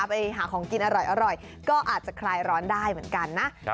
ไปหาของกินอร่อยก็อาจจะคลายร้อนได้เหมือนกันนะ